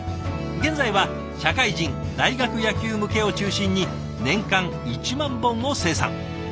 現在は社会人大学野球向けを中心に年間１万本を生産。